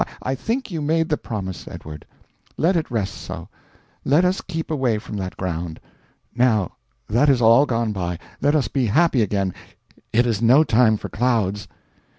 I think you made the promise, Edward. Let it rest so. Let us keep away from that ground. Now that is all gone by; let us be happy again; it is no time for clouds."